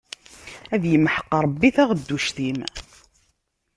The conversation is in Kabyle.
Ad imḥeq Ṛebbi taɣedduct-im!